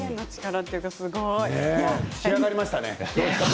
仕上がりましたね。